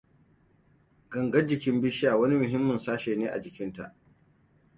Gangar jikin bishiya wani muhimmin sashe ne a jikinta.